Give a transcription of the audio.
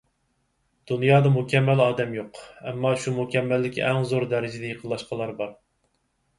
دۇنيادا مۇكەممەل ئادەم يوق، ئەمما شۇ مۇكەممەللىككە ئەڭ زور دەرىجىدە يېقىنلاشقانلار بار.